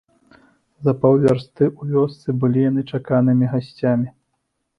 За паўвярсты ў вёсцы былі яны чаканымі гасцямі.